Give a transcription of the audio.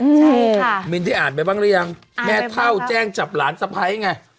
ใช่ค่ะมินได้อ่านไปบ้างหรือยังแม่เท่าแจ้งจับหลานสะพ้ายไง